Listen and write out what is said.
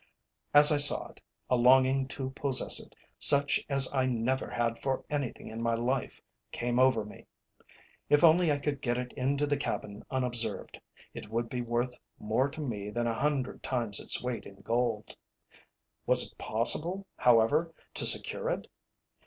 As I saw it, a longing to possess it, such as I never had for anything in my life, came over me. If only I could get it into the cabin unobserved, it would be worth more to me than a hundred times its weight in gold. Was it possible, however, to secure it?